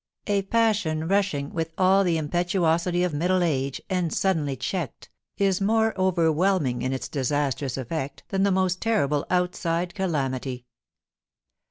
A passion rushing with all the impetuosity of middle age, and suddenly checked, is more overwhelming in its disas trous effect than the most terrible outside calamity.